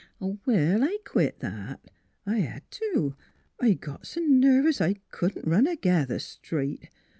" Well, I quit that. I bed to. I got s' nervous I couldn't run a gether straight.